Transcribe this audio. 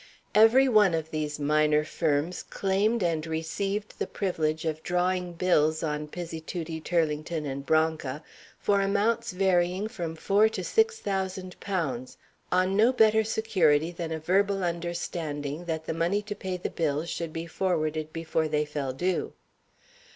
Every one of these minor firms claimed and received the privilege of drawing bills on Pizzituti, Turlington & Branca for amounts varying from four to six thousand pounds on no better security than a verbal understanding that the money to pay the bills should be forwarded before they fell due.